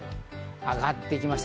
上がってきました。